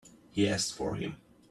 He asked for him.